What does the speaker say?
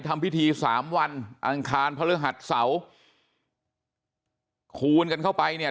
ทำพิธีสามวันอังคารพฤหัสเสาร์คูณกันเข้าไปเนี่ย